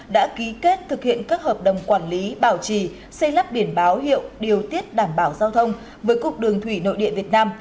đã ký kết thực hiện các hợp đồng quản lý bảo trì xây lắp biển báo hiệu điều tiết đảm bảo giao thông với cục đường thủy nội địa việt nam